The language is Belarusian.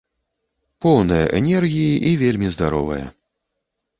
Поўная энергіі і вельмі здаровая.